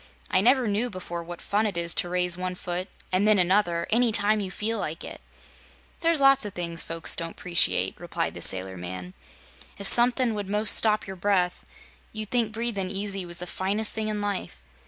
"I never knew before what fun it is to raise one foot, an' then another, any time you feel like it." "There's lots o' things folks don't 'preciate," replied the sailor man. "If somethin' would 'most stop your breath, you'd think breathin' easy was the finest thing in life.